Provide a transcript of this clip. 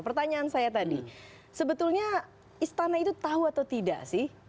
pertanyaan saya tadi sebetulnya istana itu tahu atau tidak sih